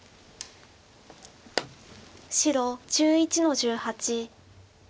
白１１の十八。